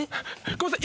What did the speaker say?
ごめんなさい。